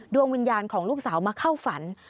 ดวงวิญญาณของลูกสาวมาเข้าฝัน